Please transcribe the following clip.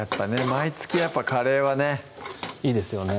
毎月カレーはねいいですよね